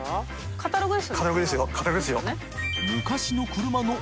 カタログですよ。